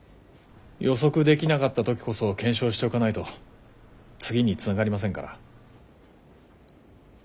予測できなかった時こそ検証しておかないと次につながりませんから。